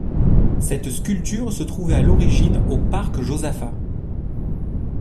Cette sculpture se trouvait à l'origine au parc Josaphat.